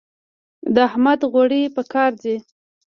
د احمد غوړي په کار دي.